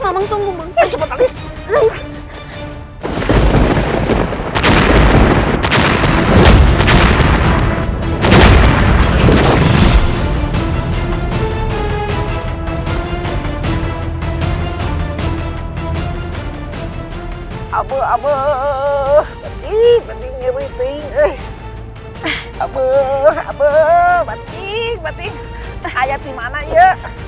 abu abu ii berhenti ngerti hai kamu habis batik batik terhayati mana ya